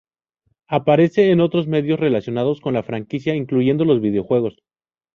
Aparece en otros medios relacionados con la franquicia, incluyendo los dos videojuegos.